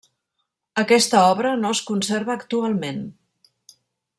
Aquesta obra no es conserva actualment.